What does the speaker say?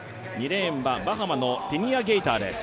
２レーンはバハマのティニア・ゲイターです。